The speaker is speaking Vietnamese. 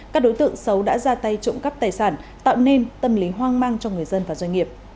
các đối tượng xấu đã ra tay trộm cắp tài sản tạo nên tâm lý hoang mang cho người dân và doanh nghiệp